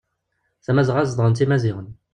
Tamazɣa zedɣen-tt imaziɣen.